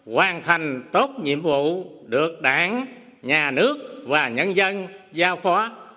hoàn thành tốt nhiệm vụ được đảng nhà nước và nhân dân giao phó